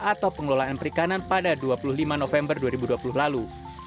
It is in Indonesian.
atau pengelolaan perikanan pada dua puluh lima november dua ribu dua puluh lalu